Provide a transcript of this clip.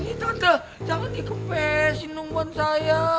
ini tante jangan dikempesin nungguan saya